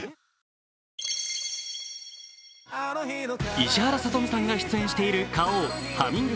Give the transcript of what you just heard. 石原さとみさんが出演している花王ハミング